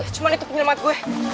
cuman itu penyelamat gue